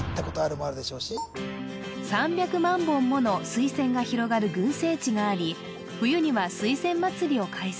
本もの水仙が広がる群生地があり冬には水仙まつりを開催